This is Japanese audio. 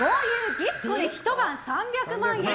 ディスコで一晩３００万円！